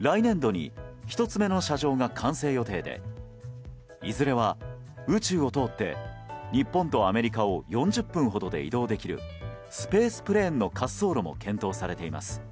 来年度に１つ目の射場が完成予定でいずれは宇宙を通って日本とアメリカを４０分ほどで移動できるスペースプレーンの滑走路も検討されています。